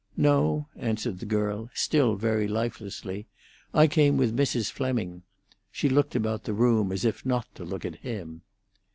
"No," answered the girl, still very lifelessly; "I came with Mrs. Fleming." She looked about the room as if not to look at him.